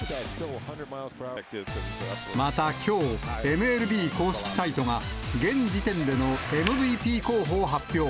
またきょう、ＭＬＢ公式サイトが、現時点でのＭＶＰ候補を発表。